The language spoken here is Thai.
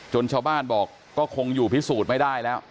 ชาวบ้านบอกก็คงอยู่พิสูจน์ไม่ได้แล้ว